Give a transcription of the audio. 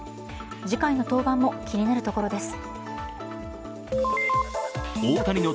次回の登板も気になるところです。